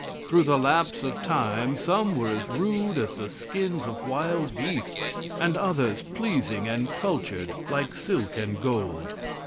Through the lapse of time some were as rude as the skins of wild beasts, and others pleasing and cultured like silk and gold.